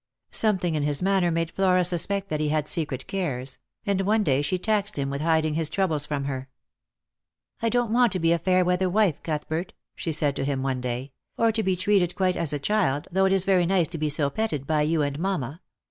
Something in his manner made Flora suspect that he had secret cares, and one day she taxed him with hiding his troubles from her. " I don't want to be a fair weather wife, Cuthbert," she said to him one day, " or to be treated quite as a child, though it is very nice to be so petted by you and mamma.